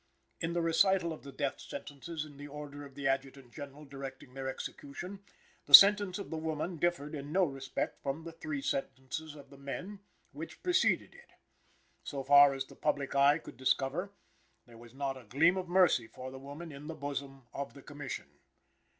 In the recital of the death sentences in the order of the Adjutant General directing their execution, the sentence of the woman differed in no respect from the three sentences of the men which preceded it. So far as the public eye could discover, there was not a gleam of mercy for the woman in the bosom of the Commission.